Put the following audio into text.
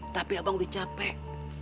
tapi abang udah capek